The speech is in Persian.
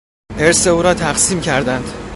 ارث او را تقسیم کردند.